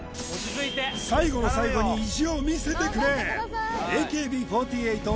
最後の最後に意地を見せてくれＡＫＢ４８